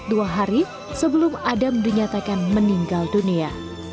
dua hari sebelum adam dinyatakan meninggal dunia